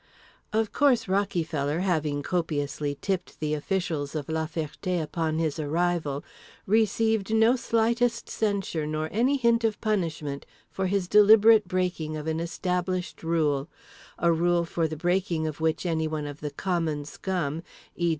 Of course Rockyfeller, having copiously tipped the officials of La Ferté upon his arrival, received no slightest censure nor any hint of punishment for his deliberate breaking of an established rule—a rule for the breaking of which anyone of the common scum (e.